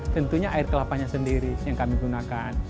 tentunya air kelapanya sendiri yang kami gunakan